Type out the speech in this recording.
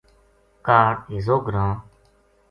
کاہڈ ہیضو گراں